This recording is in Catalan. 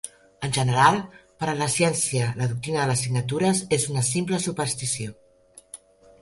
En general per a la ciència la doctrina de les signatures és una simple superstició.